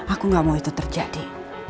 aku gak mau itu terjadi